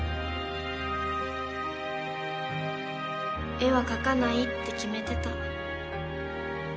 絵は描かないって決めてた。